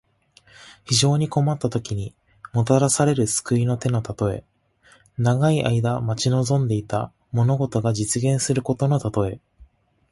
非常に困ったときに、もたらされる救いの手のたとえ。長い間待ち望んでいた物事が実現することのたとえ。